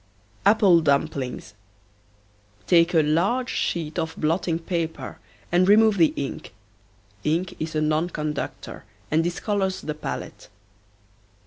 APPLE DUMPLINGS. Take a large sheet of blotting paper and remove the ink. Ink is a non conductor and discolors the palate.